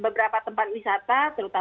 beberapa wanita wanita terbiasa dengar karena